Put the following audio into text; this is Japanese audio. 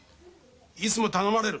いつも頼まれる。